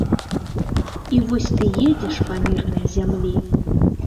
І вось ты едзеш па мірнай зямлі.